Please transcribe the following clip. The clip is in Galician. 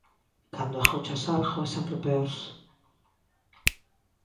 Cando agochas algo, é sempre peor.